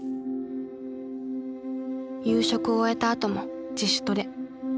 夕食を終えたあとも自主トレ。